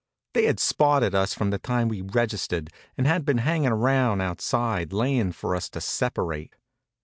They had spotted us from the time we registered and had been hangin' around outside laying for us to separate.